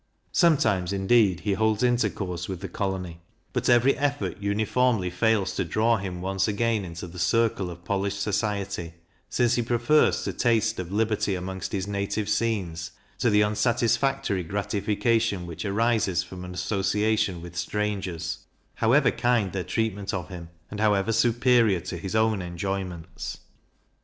Sometimes, indeed, he holds intercourse with the colony; but every effort uniformly fails to draw him once again into the circle of polished society, since he prefers to taste of liberty amongst his native scenes, to the unsatisfactory gratification which arises from an association with strangers, however kind their treatment of him, and however superior to his own enjoyments.